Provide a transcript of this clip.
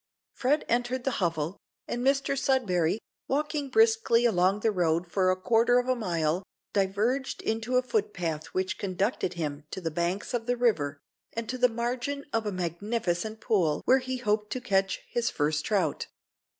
Fred entered the hovel, and Mr Sudberry, walking briskly along the road for a quarter of a mile, diverged into a foot path which conducted him to the banks of the river, and to the margin of a magnificent pool where he hoped to catch his first trout.